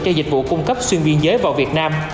cho dịch vụ cung cấp xuyên biên giới vào việt nam